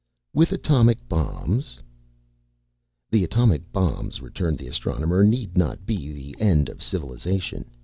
"With its atomic bombs?" "The atomic bombs," returned the Astronomer, "need not be the end of civilization.